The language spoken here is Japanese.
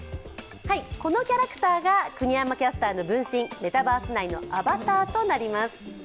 このキャラクターが国山キャスターの分身、メタバース内のアバターとなります。